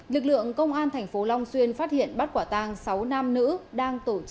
lực lượng công an tp long xuyên phát hiện bắt quả tang sáu nam nữ